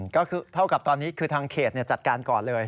ก็คือเท่ากับตอนนี้คือทางเขตจัดการก่อนเลย